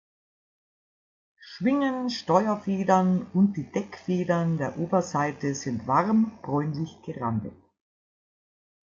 Schwingen, Steuerfedern und die Deckfedern der Oberseite sind warm bräunlich gerandet.